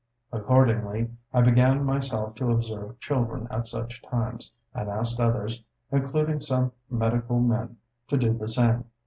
Accordingly, I began myself to observe children at such times, and asked others, including some medical men, to do the same.